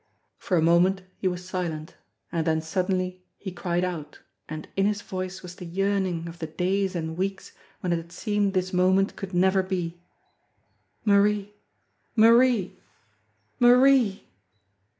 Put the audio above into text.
For a moment he was silent, and then suddenly he cried out, and in his voice was the yearning of the days and weeks when it had seemed this moment could never be: "Marie! ... Marie! ... Marie!